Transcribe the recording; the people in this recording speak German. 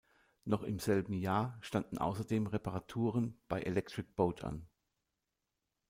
Noch im selben Jahr standen außerdem Reparaturen bei Electric Boat an.